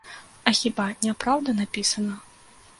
А хіба няпраўда напісана?